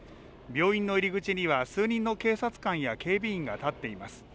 病院の入り口には数人の警察官や警備員が立っています。